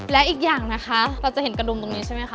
และอีกอย่างนะคะเราจะเห็นกระดุมตรงนี้ใช่ไหมคะ